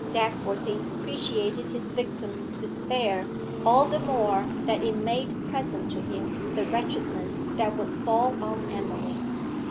Dagworthy appreciated his victim's despair all the more that it made present to him the wretchedness that would fall on Emily.